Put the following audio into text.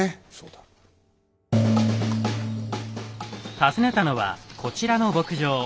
訪ねたのはこちらの牧場。